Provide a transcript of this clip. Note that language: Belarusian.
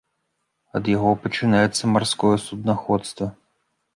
Ад яго пачынаецца марское суднаходства.